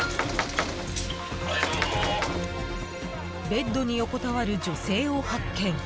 ベッドに横たわる女性を発見。